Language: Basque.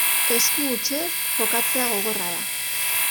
Esku hutsez jokatzea gogorra da.